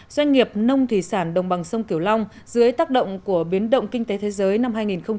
doanh nghiệp nông thủy sản đồng bằng sông kiểu long dưới tác động của biến động kinh tế thế giới năm hai nghìn một mươi chín